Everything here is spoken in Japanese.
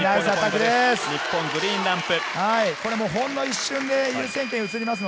日本、グリーンランプ。